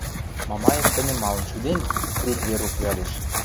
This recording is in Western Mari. — Мамаев тӹньӹм малын шӱден? — трӱк Верук ядеш.